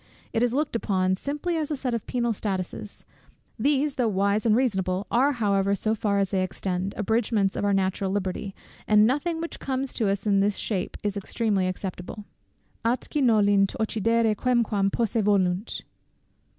It is looked upon simply as a set of penal statutes; these, though wise and reasonable, are however, so far as they extend, abridgments of our natural liberty, and nothing which comes to us in this shape is extremely acceptable: Atqui nolint occidere quemquam, posse volunt.